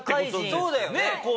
そうだよね？